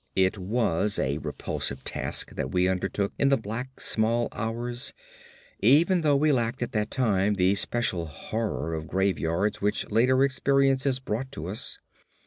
It was a repulsive task that we undertook in the black small hours, even though we lacked at that time the special horror of graveyards which later experiences brought to us.